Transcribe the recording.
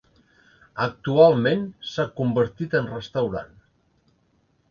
Actualment s'ha convertit en restaurant.